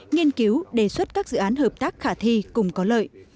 nghiên cứu đề xuất các dự án hợp tác khả thi cùng có lợi